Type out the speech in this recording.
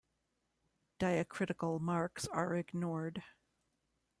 Diacritical marks are ignored.